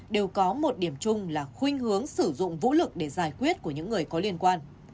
đều có một điểm chung là khuyên hướng sử dụng vũ lực để giải quyết của những người có liên quan